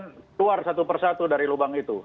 kemudian keluar satu persatu dari lubang itu